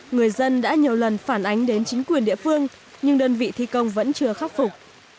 người dân đã nhiều lần phản ánh đến chính quyền địa phương nhưng đơn vị thi công vẫn chưa khắc phục